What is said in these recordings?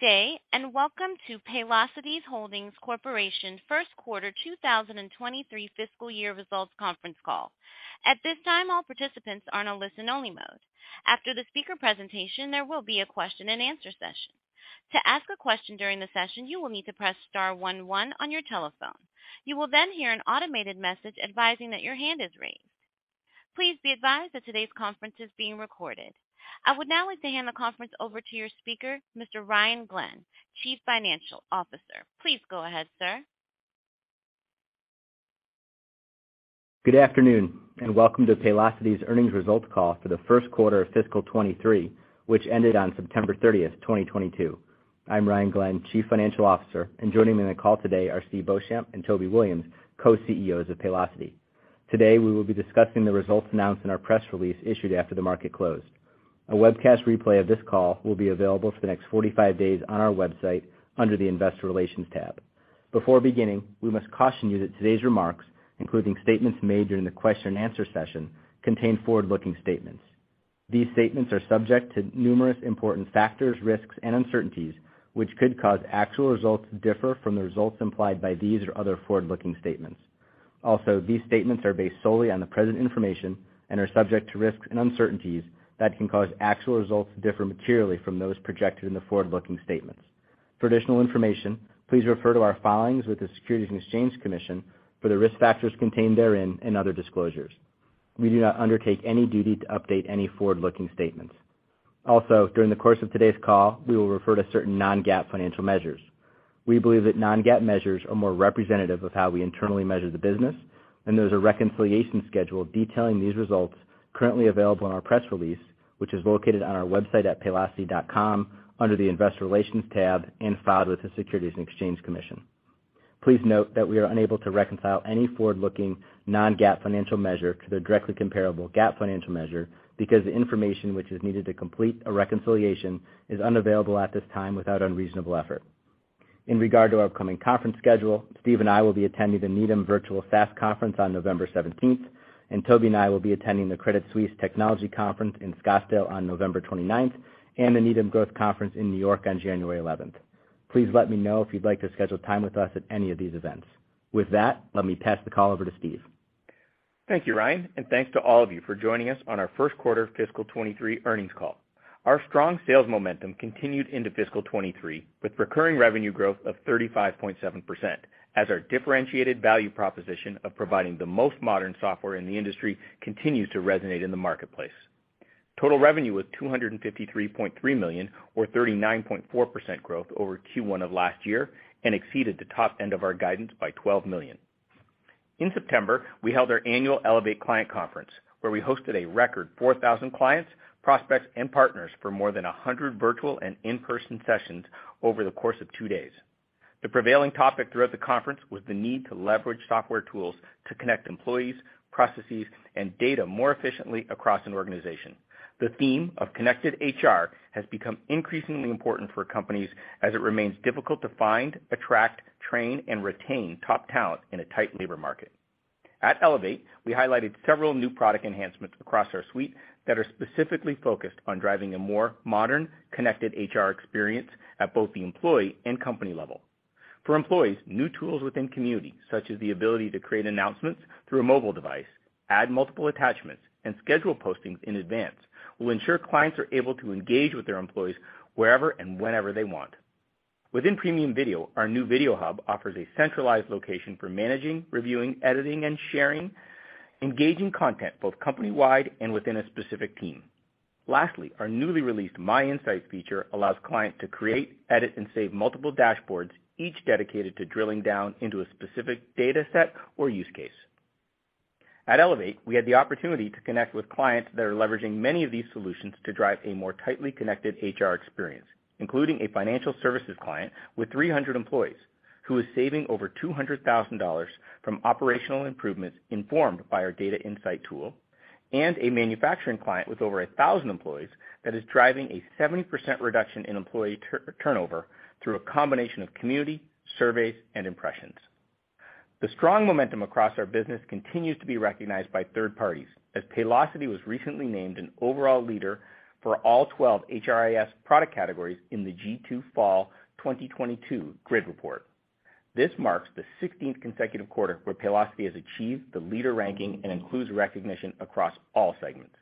Good day, and welcome to Paylocity Holding Corporation First Quarter 2023 Fiscal Year Results Conference Call. At this time, all participants are in a listen-only mode. After the speaker presentation, there will be a question-and-answer session. To ask a question during the session, you will need to press star one one on your telephone. You will then hear an automated message advising that your hand is raised. Please be advised that today's conference is being recorded. I would now like to hand the conference over to your speaker, Mr. Ryan Glenn, Chief Financial Officer. Please go ahead, sir. Good afternoon, and welcome to Paylocity's Earnings Results Call for the first quarter of fiscal 2023, which ended on September 30, 2022. I'm Ryan Glenn, Chief Financial Officer, and joining me on the call today are Steve Beauchamp and Toby Williams, Co-CEOs of Paylocity. Today, we will be discussing the results announced in our press release issued after the market closed. A webcast replay of this call will be available for the next 45 days on our website under the Investor Relations tab. Before beginning, we must caution you that today's remarks, including statements made during the question-and-answer session, contain forward-looking statements. These statements are subject to numerous important factors, risks, and uncertainties, which could cause actual results to differ from the results implied by these or other forward-looking statements. These statements are based solely on the present information and are subject to risks and uncertainties that can cause actual results to differ materially from those projected in the forward-looking statements. For additional information, please refer to our filings with the Securities and Exchange Commission for the risk factors contained therein and other disclosures. We do not undertake any duty to update any forward-looking statements. During the course of today's call, we will refer to certain non-GAAP financial measures. We believe that non-GAAP measures are more representative of how we internally measure the business, and there's a reconciliation schedule detailing these results currently available on our press release, which is located on our website at paylocity.com under the Investor Relations tab and filed with the Securities and Exchange Commission. Please note that we are unable to reconcile any forward-looking non-GAAP financial measure to their directly comparable GAAP financial measure because the information which is needed to complete a reconciliation is unavailable at this time without unreasonable effort. In regard to our upcoming conference schedule, Steve and I will be attending the Needham Virtual SaaS Conference on November 17, and Toby and I will be attending the Credit Suisse Technology Conference in Scottsdale on November 29, and the Needham Growth Conference in New York on January 11. Please let me know if you'd like to schedule time with us at any of these events. With that, let me pass the call over to Steve. Thank you, Ryan, and thanks to all of you for joining us on our first quarter fiscal 2023 earnings call. Our strong sales momentum continued into fiscal 2023, with recurring revenue growth of 35.7% as our differentiated value proposition of providing the most modern software in the industry continues to resonate in the marketplace. Total revenue was $253.3 million or 39.4% growth over Q1 of last year and exceeded the top end of our guidance by $12 million. In September, we held our annual Elevate client conference, where we hosted a record 4,000 clients, prospects, and partners for more than 100 virtual and in-person sessions over the course of two days. The prevailing topic throughout the conference was the need to leverage software tools to connect employees, processes, and data more efficiently across an organization. The theme of connected HR has become increasingly important for companies as it remains difficult to find, attract, train, and retain top talent in a tight labor market. At Elevate, we highlighted several new product enhancements across our suite that are specifically focused on driving a more modern, connected HR experience at both the employee and company level. For employees, new tools within Community, such as the ability to create announcements through a mobile device, add multiple attachments, and schedule postings in advance, will ensure clients are able to engage with their employees wherever and whenever they want. Within Premium Video, our new Video Hub offers a centralized location for managing, reviewing, editing, and sharing engaging content, both company-wide and within a specific team. Lastly, our newly released My Insights feature allows clients to create, edit, and save multiple dashboards, each dedicated to drilling down into a specific dataset or use case. At Elevate, we had the opportunity to connect with clients that are leveraging many of these solutions to drive a more tightly connected HR experience, including a financial services client with 300 employees who is saving over $200,000 from operational improvements informed by our data insight tool, and a manufacturing client with over 1,000 employees that is driving a 70% reduction in employee turnover through a combination of Community, Surveys, and Impressions. The strong momentum across our business continues to be recognized by third parties, as Paylocity was recently named an overall leader for all 12 HRIS product categories in the G2 Fall 2022 Grid Report. This marks the sixteenth consecutive quarter where Paylocity has achieved the leader ranking and includes recognition across all segments.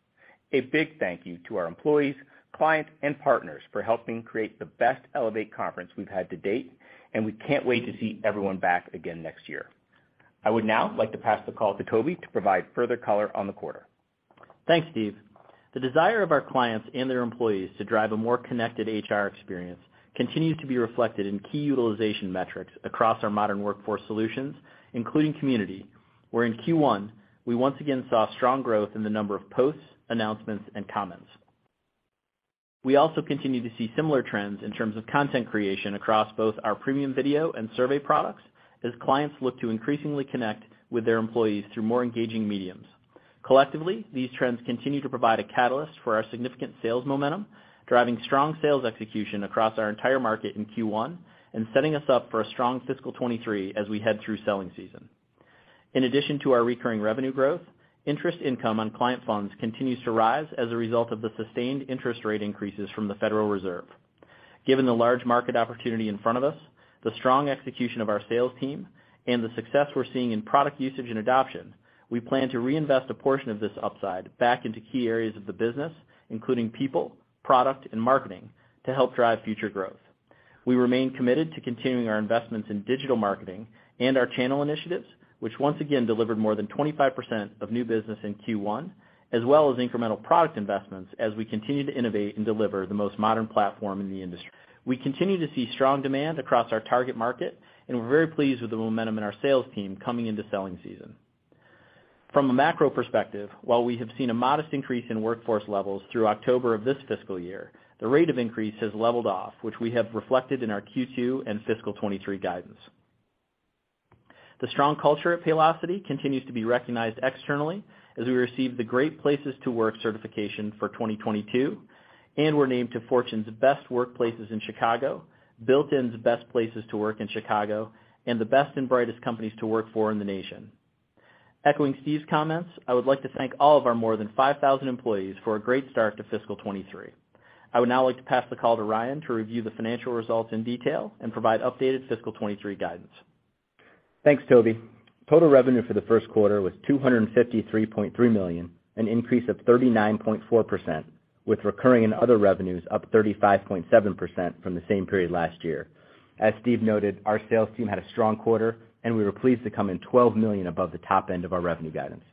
A big thank you to our employees, clients, and partners for helping create the best Elevate conference we've had to date, and we can't wait to see everyone back again next year. I would now like to pass the call to Toby to provide further color on the quarter. Thanks, Steve. The desire of our clients and their employees to drive a more connected HR experience continues to be reflected in key utilization metrics across our modern workforce solutions, including Community, where in Q1, we once again saw strong growth in the number of posts, announcements, and comments. We also continue to see similar trends in terms of content creation across both our Premium Video and Survey products as clients look to increasingly connect with their employees through more engaging mediums. Collectively, these trends continue to provide a catalyst for our significant sales momentum, driving strong sales execution across our entire market in Q1 and setting us up for a strong fiscal 2023 as we head through selling season. In addition to our recurring revenue growth, interest income on client funds continues to rise as a result of the sustained interest rate increases from the Federal Reserve. Given the large market opportunity in front of us, the strong execution of our sales team, and the success we're seeing in product usage and adoption, we plan to reinvest a portion of this upside back into key areas of the business, including people, product, and marketing to help drive future growth. We remain committed to continuing our investments in digital marketing and our channel initiatives, which once again delivered more than 25% of new business in Q1, as well as incremental product investments as we continue to innovate and deliver the most modern platform in the industry. We continue to see strong demand across our target market, and we're very pleased with the momentum in our sales team coming into selling season. From a macro perspective, while we have seen a modest increase in workforce levels through October of this fiscal year, the rate of increase has leveled off, which we have reflected in our Q2 and fiscal 2023 guidance. The strong culture at Paylocity continues to be recognized externally as we received the Great Place to Work certification for 2022, and were named to Fortune's Best Workplaces in Chicago, Built In's Best Places to Work in Chicago, and the Best and Brightest Companies to Work For in the nation. Echoing Steve's comments, I would like to thank all of our more than 5,000 employees for a great start to fiscal 2023. I would now like to pass the call to Ryan to review the financial results in detail and provide updated fiscal 2023 guidance. Thanks, Toby. Total revenue for the first quarter was $253.3 million, an increase of 39.4%, with recurring and other revenues up 35.7% from the same period last year. As Steve noted, our sales team had a strong quarter, and we were pleased to come in $12 million above the top end of our revenue guidance.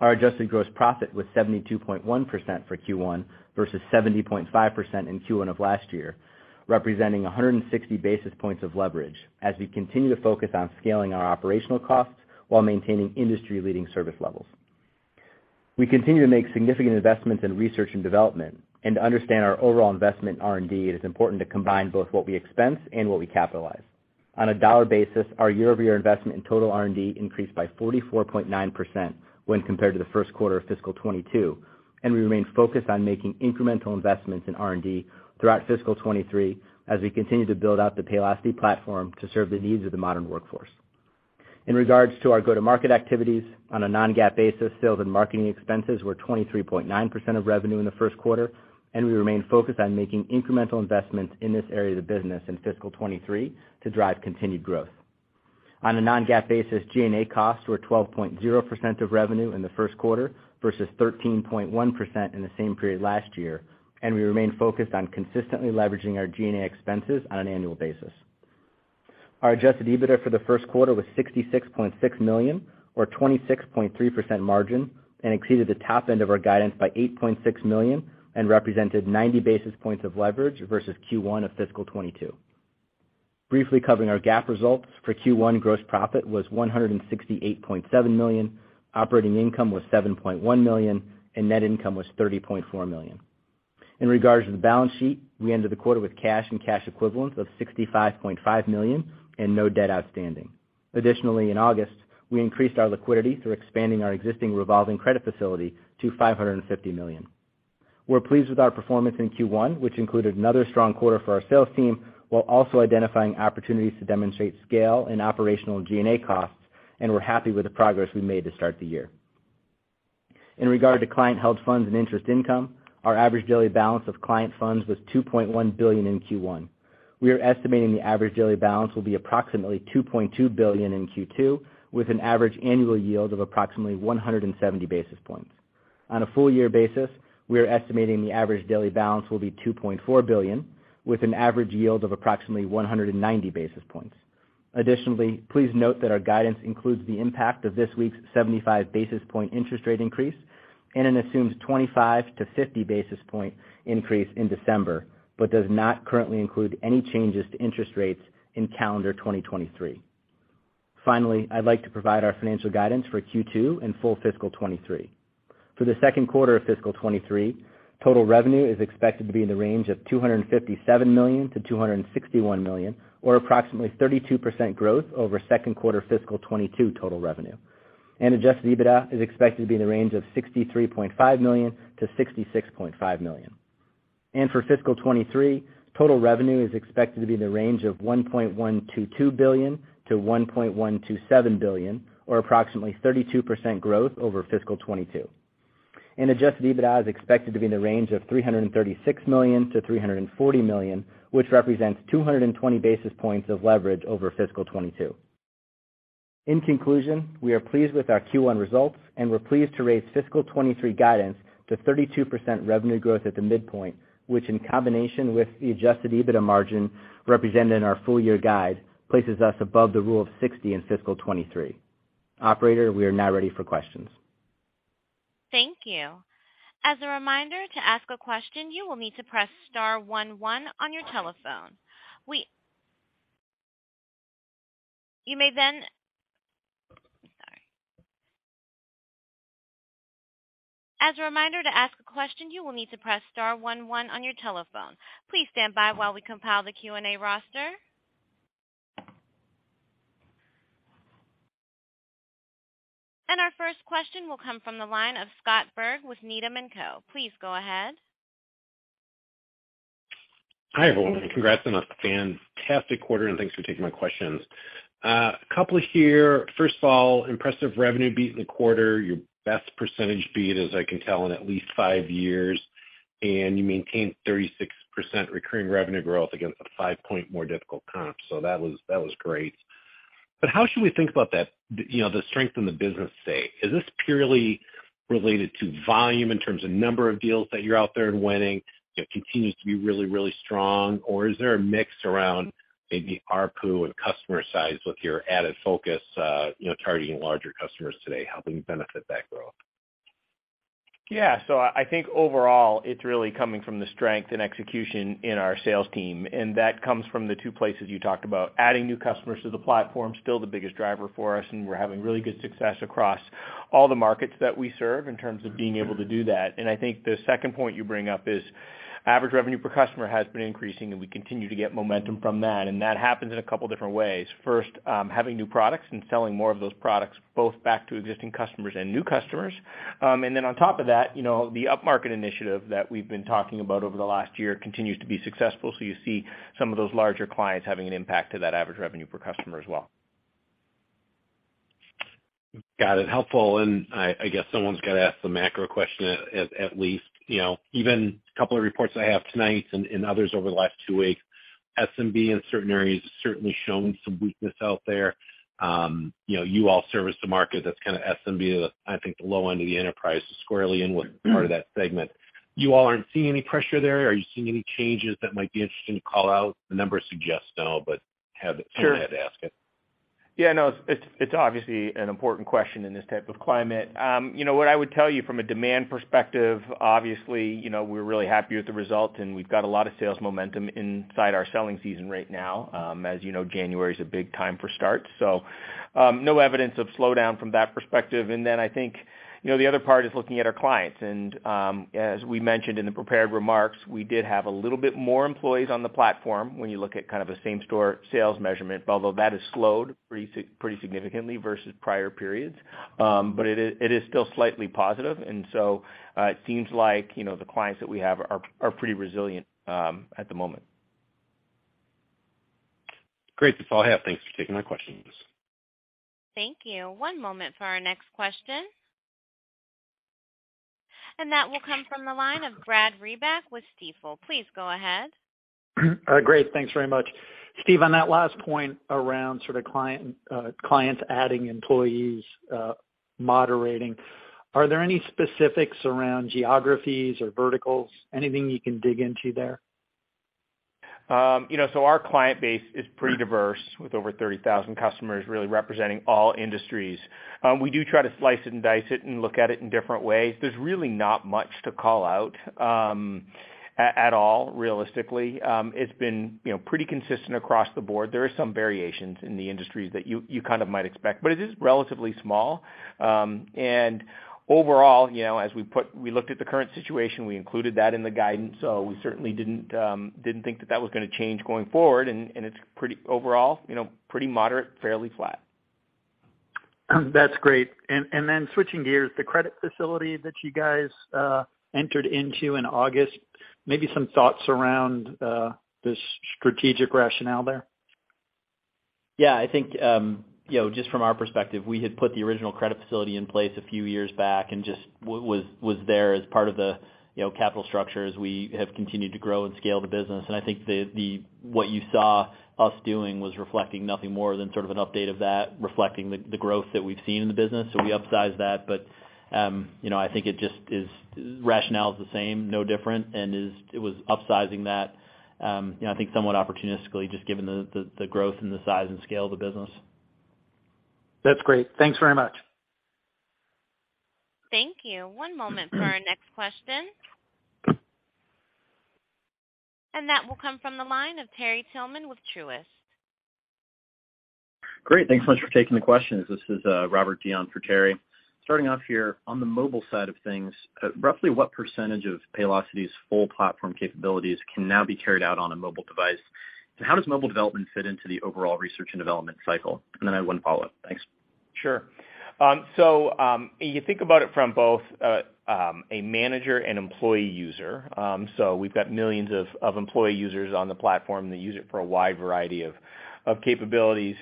Our adjusted gross profit was 72.1% for Q1 vs 70.5% in Q1 of last year, representing 160 basis points of leverage as we continue to focus on scaling our operational costs while maintaining industry-leading service levels. We continue to make significant investments in research and development. To understand our overall investment in R&D, it is important to combine both what we expense and what we capitalize. On a dollar basis, our year-over-year investment in total R&D increased by 44.9% when compared to the first quarter of fiscal 2022, and we remain focused on making incremental investments in R&D throughout fiscal 2023 as we continue to build out the Paylocity platform to serve the needs of the modern workforce. In regards to our go-to-market activities, on a non-GAAP basis, sales and marketing expenses were 23.9% of revenue in the first quarter, and we remain focused on making incremental investments in this area of the business in fiscal 2023 to drive continued growth. On a non-GAAP basis, G&A costs were 12.0% of revenue in the first quarter vs 13.1% in the same period last year, and we remain focused on consistently leveraging our G&A expenses on an annual basis. Our adjusted EBITDA for the first quarter was $66.6 million or 26.3% margin and exceeded the top end of our guidance by $8.6 million and represented 90 basis points of leverage vs Q1 of fiscal 2022. Briefly covering our GAAP results. For Q1, gross profit was $168.7 million, operating income was $7.1 million, and net income was $30.4 million. In regards to the balance sheet, we ended the quarter with cash and cash equivalents of $65.5 million and no debt outstanding. Additionally, in August, we increased our liquidity through expanding our existing revolving credit facility to $550 million. We're pleased with our performance in Q1, which included another strong quarter for our sales team, while also identifying opportunities to demonstrate scale in operational G&A costs, and we're happy with the progress we made to start the year. In regard to client-held funds and interest income, our average daily balance of client funds was $2.1 billion in Q1. We are estimating the average daily balance will be approximately $2.2 billion in Q2, with an average annual yield of approximately 170 basis points. On a full year basis, we are estimating the average daily balance will be $2.4 billion, with an average yield of approximately 190 basis points. Additionally, please note that our guidance includes the impact of this week's 75 basis point interest rate increase and it assumes 25-50 basis point increase in December, but does not currently include any changes to interest rates in calendar 2023. Finally, I'd like to provide our financial guidance for Q2 and full fiscal 2023. For the second quarter of fiscal 2023, total revenue is expected to be in the range of $257 million-$261 million, or approximately 32% growth over second quarter fiscal 2022 total revenue. Adjusted EBITDA is expected to be in the range of $63.5 million-$66.5 million. For fiscal 2023, total revenue is expected to be in the range of $1.122 billion-$1.127 billion, or approximately 32% growth over fiscal 2022. Adjusted EBITDA is expected to be in the range of $336 million-$340 million, which represents 220 basis points of leverage over fiscal 2022. In conclusion, we are pleased with our Q1 results, and we're pleased to raise fiscal 2023 guidance to 32% revenue growth at the midpoint, which in combination with the adjusted EBITDA margin represented in our full year guide, places us above the rule of 60 in fiscal 2023. Operator, we are now ready for questions. Thank you. As a reminder, to ask a question, you will need to press star one one on your telephone. Sorry. As a reminder, to ask a question, you will need to press star one one on your telephone. Please stand by while we compile the Q&A roster. Our first question will come from the line of Scott Berg with Needham & Company. Please go ahead. Hi, everyone, and congrats on a fantastic quarter, and thanks for taking my questions. Couple here. First of all, impressive revenue beat in the quarter. Your best percentage beat, as I can tell, in at least five years, and you maintained 36% recurring revenue growth against a five-point more difficult comp. That was great. How should we think about that, you know, the strength in the business, say? Is this purely related to volume in terms of number of deals that you're out there and winning, you know, continues to be really strong? Or is there a mix around maybe ARPU and customer size with your added focus, you know, targeting larger customers today, helping you benefit that growth? Yeah. I think overall, it's really coming from the strength and execution in our sales team, and that comes from the two places you talked about. Adding new customers to the platform is still the biggest driver for us, and we're having really good success across all the markets that we serve in terms of being able to do that. I think the second point you bring up is average revenue per customer has been increasing, and we continue to get momentum from that, and that happens in a couple different ways. First, having new products and selling more of those products, both back to existing customers and new customers. On top of that, you know, the upmarket initiative that we've been talking about over the last year continues to be successful, so you see some of those larger clients having an impact to that average revenue per customer as well. Got it. Helpful. I guess someone's gotta ask the macro question at least. You know, even a couple of reports I have tonight and others over the last two weeks, SMB in certain areas has certainly shown some weakness out there. You know, you all service the market that's kinda SMB, I think the low end of the enterprise squarely in what- Mm-hmm. part of that segment. You all aren't seeing any pressure there? Are you seeing any changes that might be interesting to call out? The numbers suggest no, but have- Sure. Still had to ask it. Yeah, no, it's obviously an important question in this type of climate. You know what I would tell you from a demand perspective, obviously, you know, we're really happy with the result, and we've got a lot of sales momentum inside our selling season right now. As you know, January is a big time for starts, so no evidence of slowdown from that perspective. Then I think, you know, the other part is looking at our clients. As we mentioned in the prepared remarks, we did have a little bit more employees on the platform when you look at kind of a same store sales measurement, although that has slowed pretty significantly vs prior periods. But it is still slightly positive. It seems like, you know, the clients that we have are pretty resilient at the moment. Great. That's all I have. Thanks for taking my questions. Thank you. One moment for our next question. That will come from the line of Brad Reback with Stifel. Please go ahead. All right, great. Thanks very much. Steve, on that last point around sort of client, clients adding employees, moderating, are there any specifics around geographies or verticals? Anything you can dig into there? You know, our client base is pretty diverse, with over 30,000 customers really representing all industries. We do try to slice it and dice it and look at it in different ways. There's really not much to call out, at all, realistically. It's been, you know, pretty consistent across the board. There are some variations in the industries that you kind of might expect, but it is relatively small. Overall, you know, we looked at the current situation, we included that in the guidance, so we certainly didn't think that that was gonna change going forward, and it's pretty overall, you know, pretty moderate, fairly flat. That's great. Switching gears, the credit facility that you guys entered into in August, maybe some thoughts around the strategic rationale there. Yeah. I think, you know, just from our perspective, we had put the original credit facility in place a few years back and just was there as part of the, you know, capital structure as we have continued to grow and scale the business. I think what you saw us doing was reflecting nothing more than sort of an update of that, reflecting the growth that we've seen in the business, so we upsized that. I think the rationale is the same, no different, and it was upsizing that, you know, I think somewhat opportunistically just given the growth and the size and scale of the business. That's great. Thanks very much. Thank you. One moment for our next question. That will come from the line of Terry Tillman with Truist. Great. Thanks so much for taking the questions. This is Robert Dion for Terry. Starting off here, on the mobile side of things, roughly what percentage of Paylocity's full platform capabilities can now be carried out on a mobile device? And how does mobile development fit into the overall research and development cycle? And then I have one follow-up. Thanks. You think about it from both a manager and employee user. We've got millions of employee users on the platform. They use it for a wide variety of capabilities.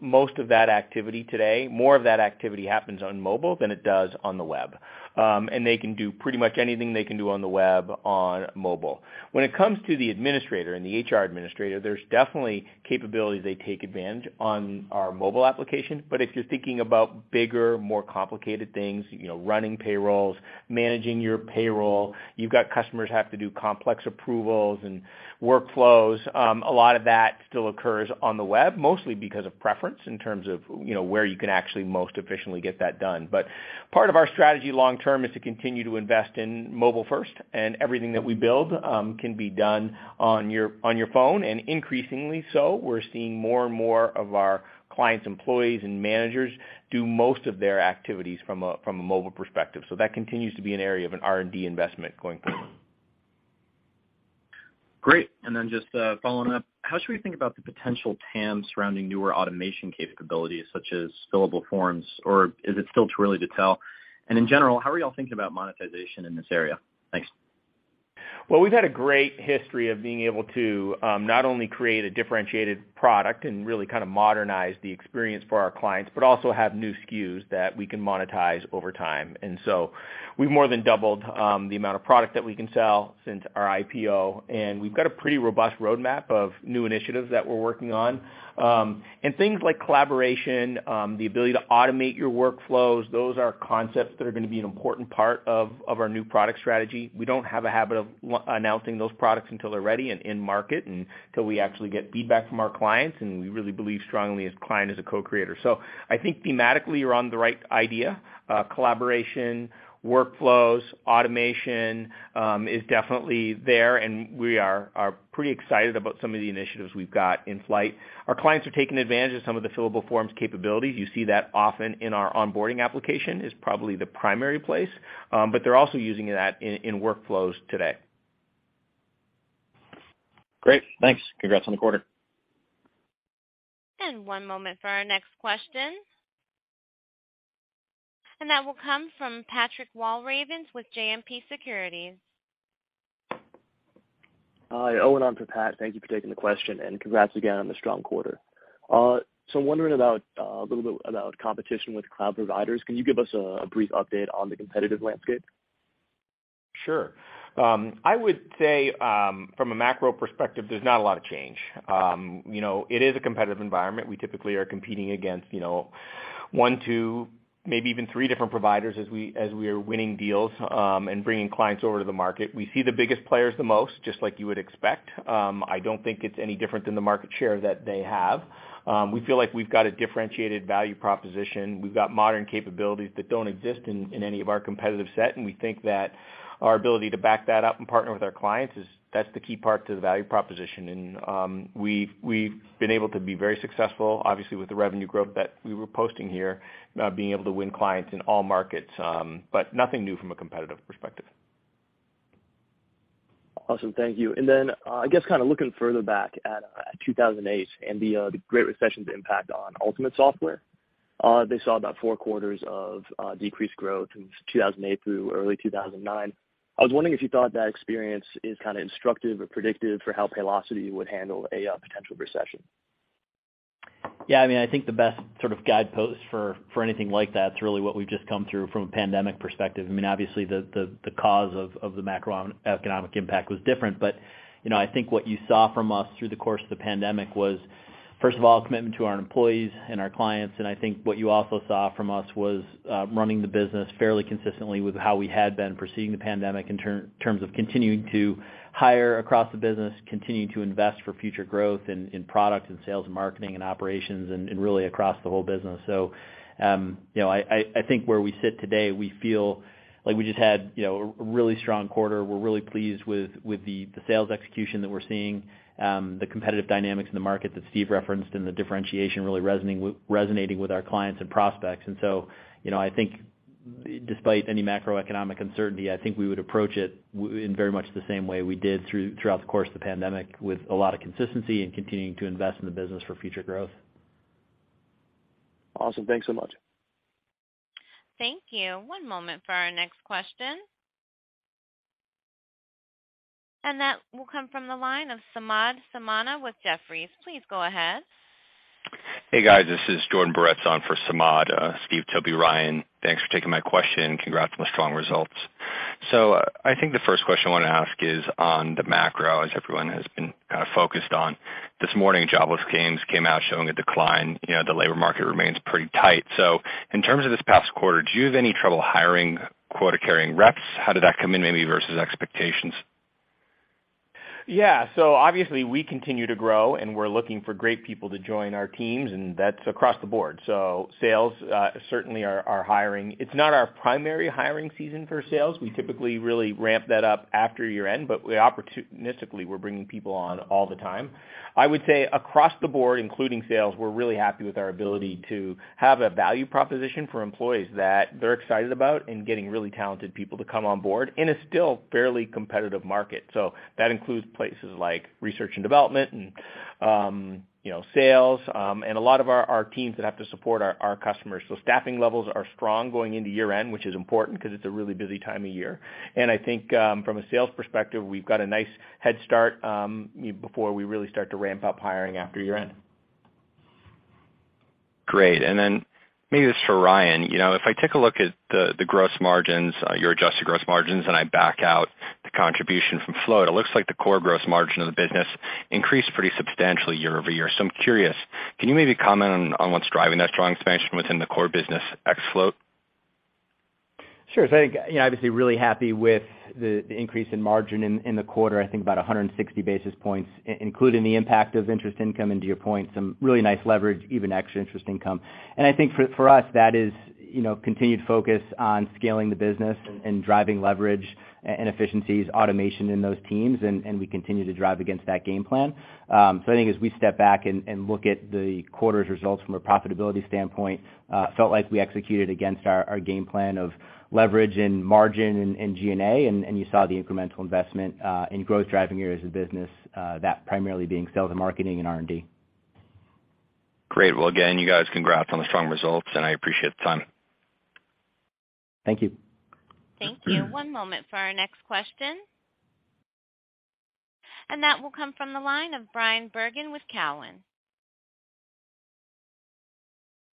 Most of that activity today, more of that activity happens on mobile than it does on the web. They can do pretty much anything they can do on the web on mobile. When it comes to the administrator and the HR administrator, there's definitely capabilities they take advantage on our mobile application, but if you're thinking about bigger, more complicated things, you know, running payrolls, managing your payroll, you've got customers have to do complex approvals and workflows. A lot of that still occurs on the web, mostly because of preference in terms of, you know, where you can actually most efficiently get that done. Part of our strategy long term is to continue to invest in mobile first, and everything that we build can be done on your phone. Increasingly so, we're seeing more and more of our clients' employees and managers do most of their activities from a mobile perspective. That continues to be an area of an R&D investment going forward. Great. Just following up, how should we think about the potential TAM surrounding newer automation capabilities, such as fillable forms, or is it still too early to tell? In general, how are y'all thinking about monetization in this area? Thanks. Well, we've had a great history of being able to not only create a differentiated product and really kind of modernize the experience for our clients, but also have new SKUs that we can monetize over time. We've more than doubled the amount of product that we can sell since our IPO, and we've got a pretty robust roadmap of new initiatives that we're working on. Things like collaboration, the ability to automate your workflows, those are concepts that are gonna be an important part of our new product strategy. We don't have a habit of announcing those products until they're ready and in market and till we actually get feedback from our clients, and we really believe strongly as client as a co-creator. I think thematically you're on the right idea. Collaboration, workflows, automation is definitely there, and we are pretty excited about some of the initiatives we've got in flight. Our clients are taking advantage of some of the fillable forms capabilities. You see that often in our onboarding application is probably the primary place, but they're also using that in workflows today. Great. Thanks. Congrats on the quarter. One moment for our next question. That will come from Patrick Walravens with JMP Securities. Hi, Owen on for Pat, thank you for taking the question and congrats again on the strong quarter. I'm wondering about a little bit about competition with cloud providers. Can you give us a brief update on the competitive landscape? Sure. I would say from a macro perspective, there's not a lot of change. You know, it is a competitive environment. We typically are competing against, you know, one, two, maybe even three different providers as we are winning deals and bringing clients over to the market. We see the biggest players the most, just like you would expect. I don't think it's any different than the market share that they have. We feel like we've got a differentiated value proposition. We've got modern capabilities that don't exist in any of our competitive set, and we think that our ability to back that up and partner with our clients is. That's the key part to the value proposition. We've been able to be very successful, obviously with the revenue growth that we were posting here, being able to win clients in all markets, but nothing new from a competitive perspective. Awesome. Thank you. I guess kind of looking further back at 2008 and the Great Recession's impact on Ultimate Software, they saw about four quarters of decreased growth in 2008 through early 2009. I was wondering if you thought that experience is kinda instructive or predictive for how Paylocity would handle a potential recession. Yeah, I mean, I think the best sort of guidepost for anything like that's really what we've just come through from a pandemic perspective. I mean, obviously the cause of the macroeconomic impact was different. You know, I think what you saw from us through the course of the pandemic was, first of all, a commitment to our employees and our clients. I think what you also saw from us was running the business fairly consistently with how we had been preceding the pandemic in terms of continuing to hire across the business, continuing to invest for future growth in product and sales and marketing and operations and really across the whole business. I think where we sit today, we feel like we just had, you know, a really strong quarter. We're really pleased with the sales execution that we're seeing, the competitive dynamics in the market that Steve referenced and the differentiation really resonating with our clients and prospects. You know, I think despite any macroeconomic uncertainty, I think we would approach it in very much the same way we did throughout the course of the pandemic, with a lot of consistency and continuing to invest in the business for future growth. Awesome. Thanks so much. Thank you. One moment for our next question. That will come from the line of Samad Samana with Jefferies. Please go ahead. Hey, guys, this is Jordan Boretz on for Samad. Steve, Toby, Ryan, thanks for taking my question, and congrats on the strong results. I think the first question I wanna ask is on the macro, as everyone has been kind of focused on. This morning, jobless claims came out showing a decline. You know, the labor market remains pretty tight. In terms of this past quarter, do you have any trouble hiring quota-carrying reps? How did that come in maybe vs expectations? Yeah. Obviously we continue to grow, and we're looking for great people to join our teams, and that's across the board. Sales certainly are hiring. It's not our primary hiring season for sales. We typically really ramp that up after year-end, but we opportunistically, we're bringing people on all the time. I would say across the board, including sales, we're really happy with our ability to have a value proposition for employees that they're excited about and getting really talented people to come on board in a still fairly competitive market. That includes places like research and development and, you know, sales, and a lot of our teams that have to support our customers. Staffing levels are strong going into year-end, which is important 'cause it's a really busy time of year. I think from a sales perspective, we've got a nice head start before we really start to ramp up hiring after year-end. Great. Then maybe this is for Ryan. You know, if I take a look at the gross margins, your adjusted gross margins, and I back out the contribution from Float, it looks like the core gross margin of the business increased pretty substantially year-over-year. I'm curious, can you maybe comment on what's driving that strong expansion within the core business ex Float? Sure. I think, you know, obviously really happy with the increase in margin in the quarter. I think about 160 basis points including the impact of interest income, and to your point, some really nice leverage, even ex-interest income. I think for us, that is, you know, continued focus on scaling the business and driving leverage and efficiencies, automation in those teams, and we continue to drive against that game plan. I think as we step back and look at the quarter's results from a profitability standpoint, felt like we executed against our game plan of leverage and margin and G&A, and you saw the incremental investment in growth driving areas of the business, that primarily being sales and marketing and R&D. Great. Well, again, you guys congrats on the strong results, and I appreciate the time. Thank you. Thank you. One moment for our next question. That will come from the line of Brian Bergen with Cowen.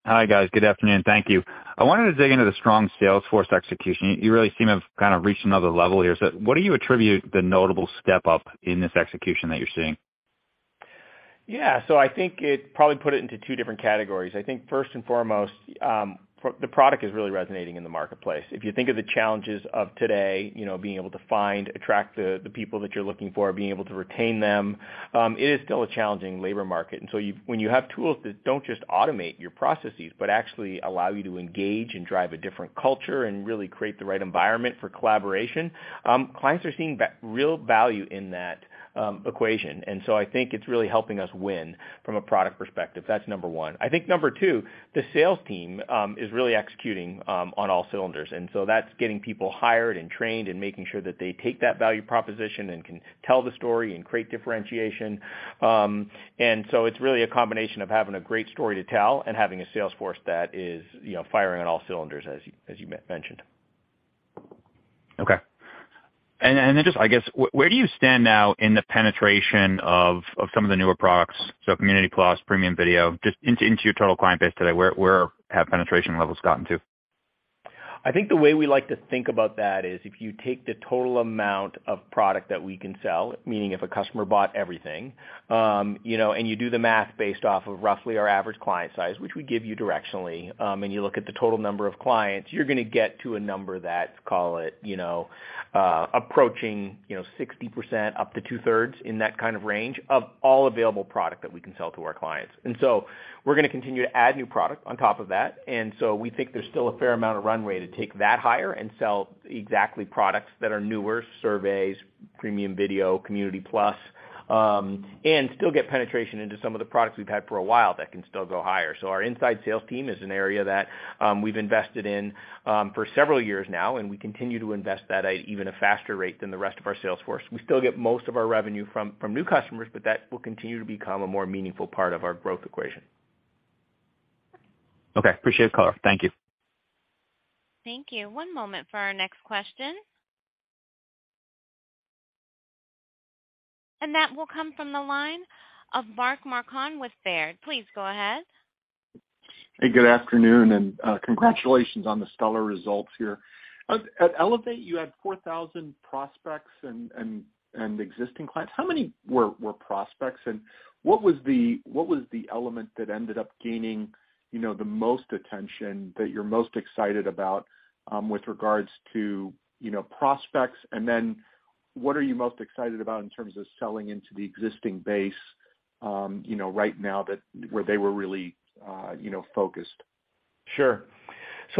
Hi, guys. Good afternoon. Thank you. I wanted to dig into the strong sales force execution. You really seem to have kind of reached another level here. What do you attribute the notable step-up in this execution that you're seeing? Yeah. I think it probably put it into two different categories. I think first and foremost, the product is really resonating in the marketplace. If you think of the challenges of today, you know, being able to find, attract the people that you're looking for, being able to retain them, it is still a challenging labor market. When you have tools that don't just automate your processes, but actually allow you to engage and drive a different culture and really create the right environment for collaboration, clients are seeing real value in that equation. I think it's really helping us win from a product perspective. That's number one. I think number two, the sales team is really executing on all cylinders. That's getting people hired and trained and making sure that they take that value proposition and can tell the story and create differentiation. It's really a combination of having a great story to tell and having a sales force that is, you know, firing on all cylinders, as you mentioned. Just, I guess, where do you stand now in the penetration of some of the newer products? Community Plus, Premium Video, just into your total client base today, where have penetration levels gotten to? I think the way we like to think about that is if you take the total amount of product that we can sell, meaning if a customer bought everything, you know, and you do the math based off of roughly our average client size, which we give you directionally, and you look at the total number of clients, you're gonna get to a number that, call it, you know, approaching, you know, 60% up to 2/3 in that kind of range of all available product that we can sell to our clients. We're gonna continue to add new product on top of that. We think there's still a fair amount of runway to take that higher and sell exactly products that are newer, Surveys, Premium Video, Community Plus, and still get penetration into some of the products we've had for a while that can still go higher. Our inside sales team is an area that we've invested in for several years now, and we continue to invest that at even a faster rate than the rest of our sales force. We still get most of our revenue from new customers, but that will continue to become a more meaningful part of our growth equation. Okay, appreciate the color. Thank you. Thank you. One moment for our next question. That will come from the line of Mark Marcon with Baird. Please go ahead. Hey, good afternoon, and congratulations on the stellar results here. At Elevate, you had 4,000 prospects and existing clients. How many were prospects, and what was the element that ended up gaining, you know, the most attention that you're most excited about with regards to, you know, prospects? What are you most excited about in terms of selling into the existing base, you know, right now that where they were really, you know, focused? Sure.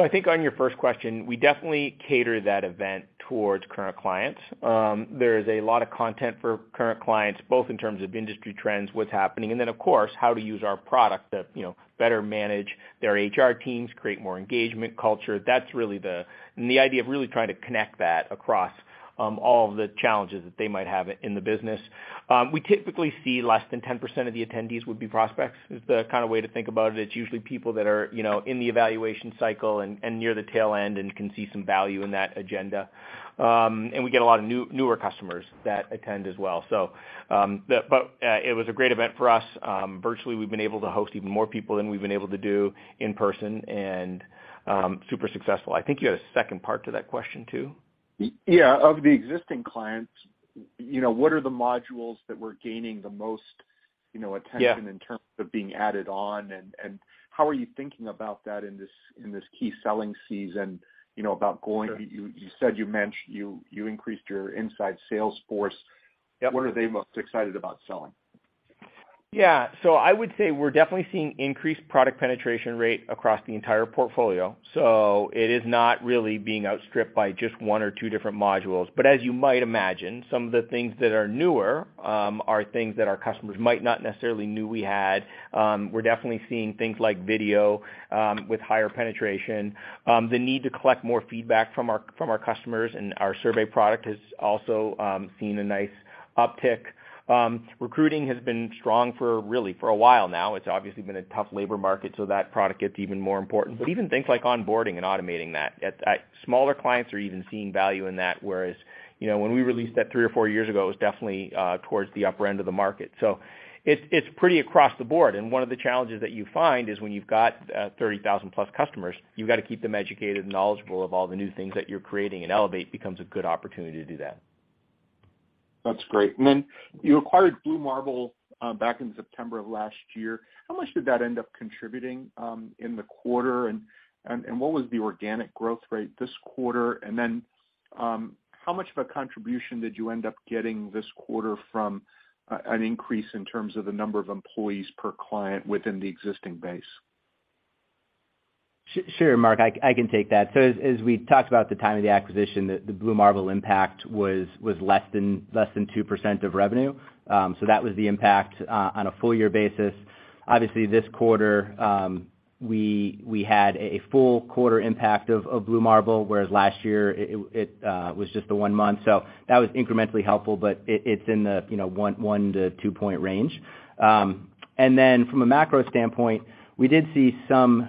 I think on your first question, we definitely cater that event towards current clients. There is a lot of content for current clients, both in terms of industry trends, what's happening, and then, of course, how to use our product to, you know, better manage their HR teams, create more engagement culture. That's really the idea of really trying to connect that across all of the challenges that they might have in the business. We typically see less than 10% of the attendees would be prospects, is the kinda way to think about it. It's usually people that are, you know, in the evaluation cycle and near the tail end and can see some value in that agenda. We get a lot of newer customers that attend as well. It was a great event for us. Virtually, we've been able to host even more people than we've been able to do in person and super successful. I think you had a second part to that question too. Yeah. Of the existing clients, you know, what are the modules that were gaining the most, you know? Yeah attention in terms of being added on? How are you thinking about that in this key selling season, you know, about going Sure You said you mentioned you increased your inside sales force. Yeah. What are they most excited about selling? Yeah. I would say we're definitely seeing increased product penetration rate across the entire portfolio. It is not really being outstripped by just one or two different modules. As you might imagine, some of the things that are newer are things that our customers might not necessarily knew we had. We're definitely seeing things like video with higher penetration. The need to collect more feedback from our customers, and our survey product has also seen a nice uptick. Recruiting has been strong for a while now. It's obviously been a tough labor market, so that product gets even more important. Even things like onboarding and automating that, smaller clients are even seeing value in that, whereas, you know, when we released that three or four years ago, it was definitely towards the upper end of the market. It's pretty across the board. One of the challenges that you find is when you've got 30,000-plus customers, you've got to keep them educated and knowledgeable of all the new things that you're creating, and Elevate becomes a good opportunity to do that. That's great. Then you acquired Blue Marble back in September of last year. How much did that end up contributing in the quarter? What was the organic growth rate this quarter? How much of a contribution did you end up getting this quarter from an increase in terms of the number of employees per client within the existing base? Sure, Mark. I can take that. As we talked about the time of the acquisition, the Blue Marble impact was less than 2% of revenue. That was the impact on a full year basis. Obviously, this quarter, we had a full quarter impact of Blue Marble, whereas last year it was just the one month. That was incrementally helpful, but it's in the, you know, 1-2-point range. Then from a macro standpoint, we did see some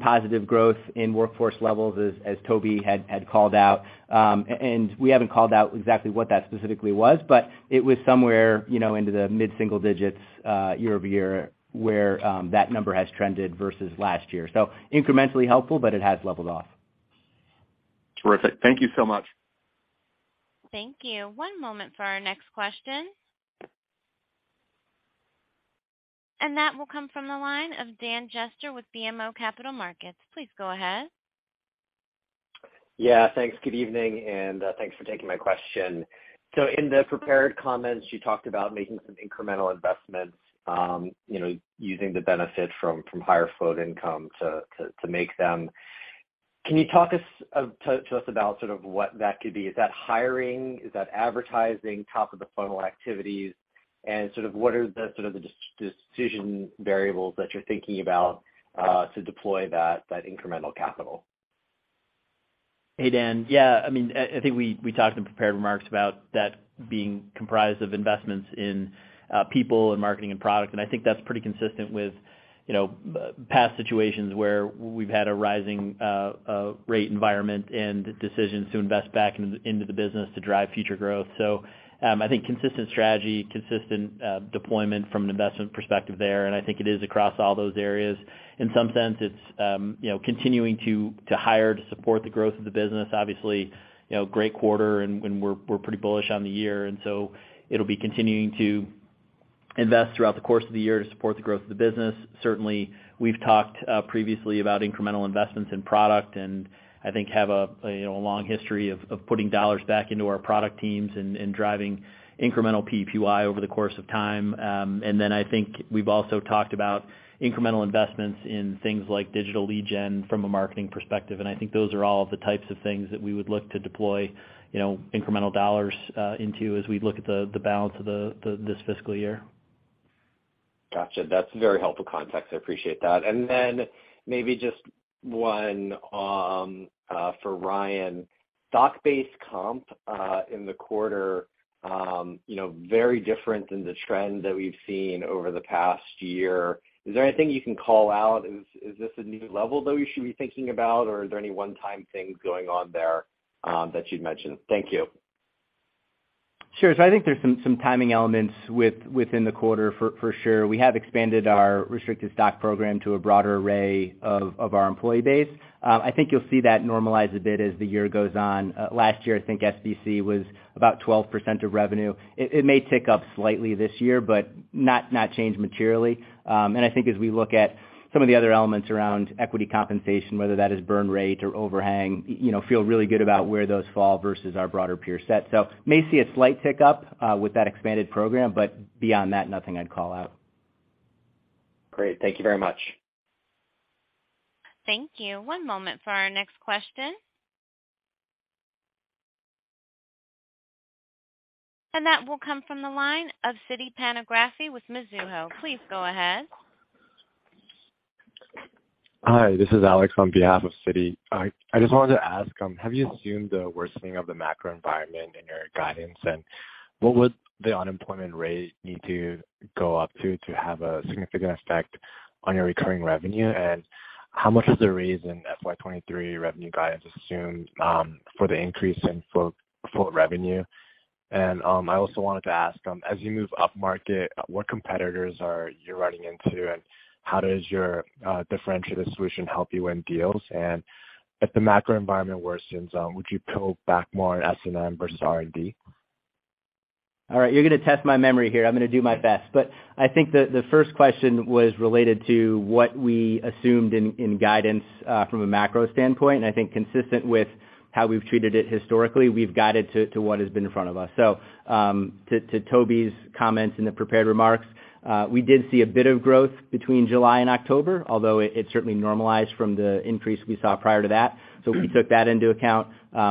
positive growth in workforce levels as Toby had called out. And we haven't called out exactly what that specifically was, but it was somewhere, you know, into the mid-single digits, year-over-year where that number has trended vs last year. Incrementally helpful, but it has leveled off. Terrific. Thank you so much. Thank you. One moment for our next question. That will come from the line of Daniel Jester with BMO Capital Markets. Please go ahead. Yeah, thanks. Good evening, and thanks for taking my question. In the prepared comments, you talked about making some incremental investments, you know, using the benefit from higher float income to make them. Can you talk to us about sort of what that could be? Is that hiring? Is that advertising top of the funnel activities? Sort of, what are the sort of decision variables that you're thinking about to deploy that incremental capital? Hey, Dan. Yeah, I mean, I think we talked in prepared remarks about that being comprised of investments in people and marketing and product. I think that's pretty consistent with, you know, past situations where we've had a rising rate environment and decisions to invest back into the business to drive future growth. I think consistent strategy, consistent deployment from an investment perspective there, and I think it is across all those areas. In some sense, it's you know, continuing to hire to support the growth of the business. Obviously, you know, great quarter and we're pretty bullish on the year. It'll be continuing to invest throughout the course of the year to support the growth of the business. Certainly, we've talked previously about incremental investments in product, and I think we have a you know a long history of putting dollars back into our product teams and driving incremental PEPM over the course of time. I think we've also talked about incremental investments in things like digital lead gen from a marketing perspective. I think those are all the types of things that we would look to deploy you know incremental dollars into as we look at the balance of this fiscal year. Gotcha. That's very helpful context. I appreciate that. Maybe just one for Ryan. Stock-based comp in the quarter, you know, very different than the trend that we've seen over the past year. Is there anything you can call out? Is this a new level that we should be thinking about, or are there any one-time things going on there that you'd mention? Thank you. Sure. I think there's some timing elements within the quarter for sure. We have expanded our restricted stock program to a broader array of our employee base. I think you'll see that normalize a bit as the year goes on. Last year, I think SBC was about 12% of revenue. It may tick up slightly this year, but not change materially. I think as we look at some of the other elements around equity compensation, whether that is burn rate or overhang, you know, feel really good about where those fall vs our broader peer set. May see a slight tick up with that expanded program, but beyond that, nothing I'd call out. Great. Thank you very much. Thank you. One moment for our next question. That will come from the line of Siti Panigrahi with Mizuho. Please go ahead. Hi, this is Alex on behalf of Siti. I just wanted to ask, have you assumed the worsening of the macro environment in your guidance? And what would the unemployment rate need to go up to have a significant effect on your recurring revenue? And how much of the reason FY 2023 revenue guidance assumed for the increase in float revenue? And I also wanted to ask, as you move upmarket, what competitors are you running into, and how does your differentiated solution help you win deals? And if the macro environment worsens, would you pull back more on S&M vs R&D? All right, you're gonna test my memory here. I'm gonna do my best. I think the first question was related to what we assumed in guidance from a macro standpoint. I think consistent with how we've treated it historically, we've guided to what has been in front of us. To Toby's comments in the prepared remarks, we did see a bit of growth between July and October, although it certainly normalized from the increase we saw prior to that. We took that into account.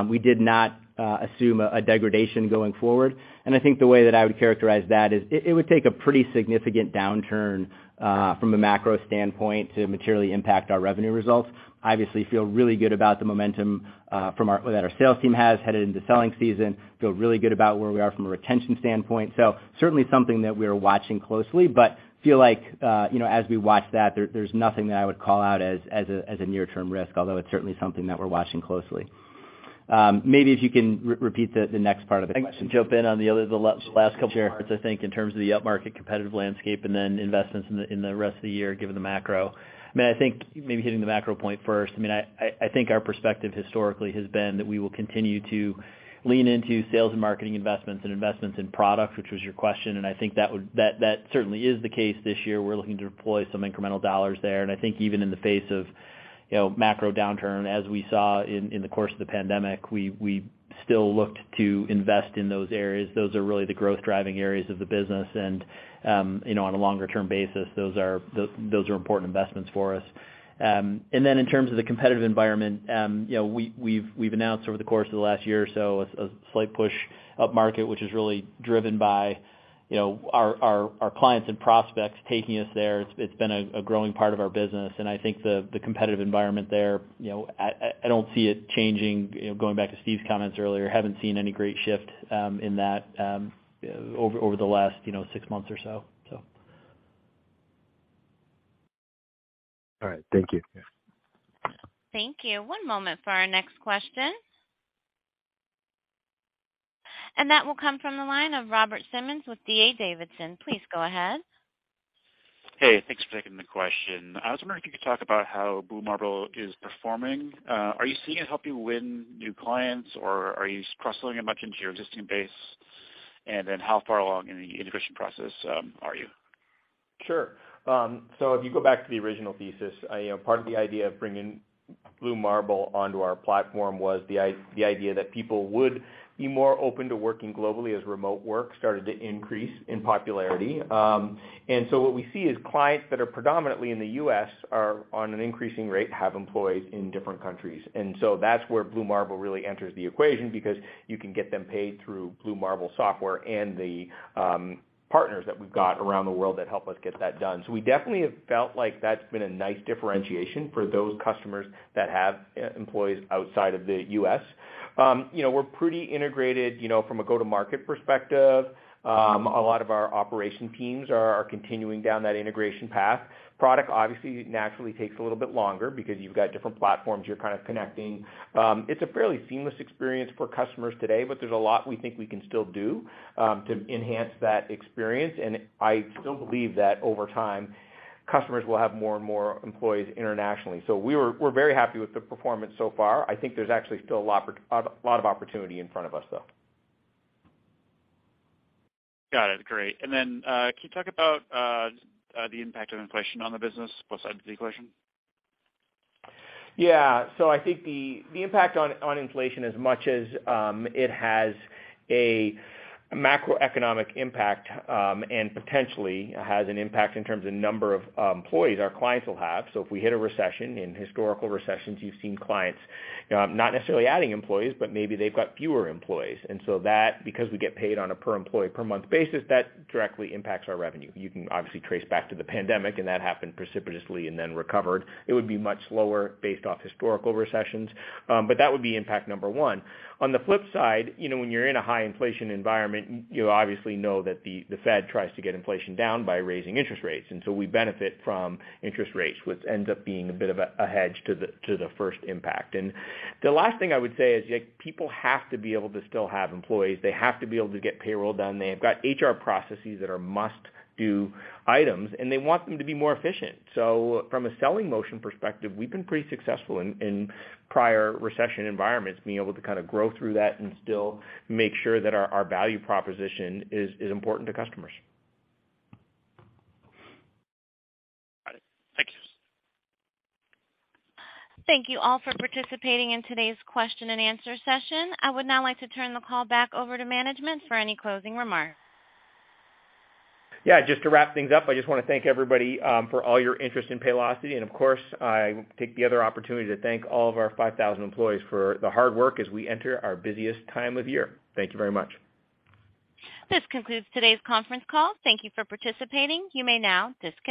We did not assume a degradation going forward. I think the way that I would characterize that is it would take a pretty significant downturn from a macro standpoint to materially impact our revenue results. Obviously feel really good about the momentum that our sales team has heading into selling season. Feel really good about where we are from a retention standpoint. Certainly something that we are watching closely, but feel like, you know, as we watch that, there's nothing that I would call out as a near-term risk, although it's certainly something that we're watching closely. Maybe if you can repeat the next part of the question. I can jump in on the last couple parts, I think, in terms of the upmarket competitive landscape and then investments in the rest of the year given the macro. I mean, I think maybe hitting the macro point first. I mean, I think our perspective historically has been that we will continue to lean into sales and marketing investments and investments in product, which was your question. I think that certainly is the case this year. We're looking to deploy some incremental dollars there. I think even in the face of macro downturn, as we saw in the course of the pandemic, we still looked to invest in those areas. Those are really the growth-driving areas of the business. On a longer term basis, those are important investments for us. In terms of the competitive environment, we've announced over the course of the last year or so a slight push upmarket, which is really driven by our clients and prospects taking us there. It's been a growing part of our business, and I think the competitive environment there, I don't see it changing. You know, going back to Steve's comments earlier, haven't seen any great shift in that over the last, you know, six months or so. All right. Thank you. Yeah. Thank you. One moment for our next question. That will come from the line of Robert Simmons with D.A. Davidson. Please go ahead. Hey, thanks for taking the question. I was wondering if you could talk about how Blue Marble is performing. Are you seeing it help you win new clients, or are you cross-selling it much into your existing base? How far along in the integration process are you? Sure. If you go back to the original thesis, you know, part of the idea of bringing Blue Marble onto our platform was the idea that people would be more open to working globally as remote work started to increase in popularity. What we see is clients that are predominantly in the U.S. are, on an increasing rate, have employees in different countries. That's where Blue Marble really enters the equation because you can get them paid through Blue Marble software and the partners that we've got around the world that help us get that done. We definitely have felt like that's been a nice differentiation for those customers that have employees outside of the U.S. You know, we're pretty integrated, you know, from a go-to-market perspective. A lot of our operation teams are continuing down that integration path. Product obviously naturally takes a little bit longer because you've got different platforms you're kind of connecting. It's a fairly seamless experience for customers today, but there's a lot we think we can still do to enhance that experience. I still believe that over time, customers will have more and more employees internationally. We're very happy with the performance so far. I think there's actually still a lot of opportunity in front of us, though. Got it. Great. Can you talk about the impact of inflation on the business, both sides of the equation? Yeah. I think the impact on inflation as much as it has a macroeconomic impact and potentially has an impact in terms of number of employees our clients will have. If we hit a recession, in historical recessions, you've seen clients not necessarily adding employees, but maybe they've got fewer employees. That, because we get paid on a per employee per month basis, that directly impacts our revenue. You can obviously trace back to the pandemic, and that happened precipitously and then recovered. It would be much slower based off historical recessions, but that would be impact number one. On the flip side, you know, when you're in a high inflation environment, you obviously know that the Fed tries to get inflation down by raising interest rates. We benefit from interest rates, which ends up being a bit of a hedge to the first impact. The last thing I would say is, people have to be able to still have employees. They have to be able to get payroll done. They've got HR processes that are must-do items, and they want them to be more efficient. From a selling motion perspective, we've been pretty successful in prior recession environments, being able to kind of grow through that and still make sure that our value proposition is important to customers. Got it. Thank you. Thank you all for participating in today's question and answer session. I would now like to turn the call back over to management for any closing remarks. Yeah, just to wrap things up, I just wanna thank everybody for all your interest in Paylocity. Of course, I take the other opportunity to thank all of our 5,000 employees for the hard work as we enter our busiest time of year. Thank you very much. This concludes today's conference call. Thank you for participating. You may now disconnect.